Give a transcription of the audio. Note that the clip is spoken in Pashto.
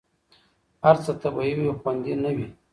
هر څه طبیعي وي، خوندي نه وي.